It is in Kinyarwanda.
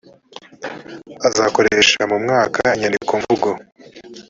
azakoreshwa mu mwaka n inyandikomvugo